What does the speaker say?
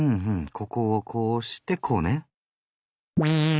ここをこうしてこうね。